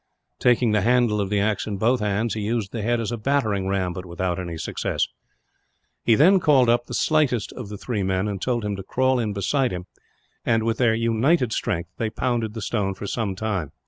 Taking the handle of the axe in both hands, he used the head as a battering ram; but without any success. He then called up the slightest of the three men, and told him to crawl in beside him and, with their united strength, they pounded the stone for some time.